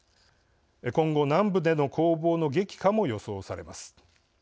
今後、南部での攻防の激化も予想されます。